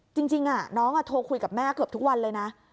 จริงน้องโทรคุยกับแม่เกือบทุกวันเลยนะ